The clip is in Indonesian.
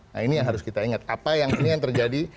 nah ini yang harus kita ingat apa yang terjadi